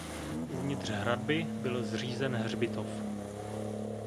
Uvnitř hradby byl zřízen hřbitov.